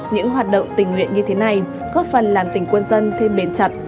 những hoạt động tình nguyện như thế này góp phần làm tỉnh quân dân thêm bền chặt